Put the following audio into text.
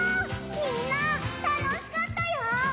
みんなたのしかったよ！